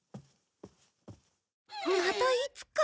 またいつか。